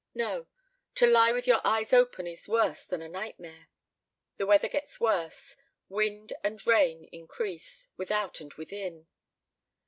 No! To lie with your eyes open is worse than a nightmare. The weather gets worse; wind and rain increase, without and within.